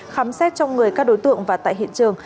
khám xét trong người các đối tượng và tại hiện trường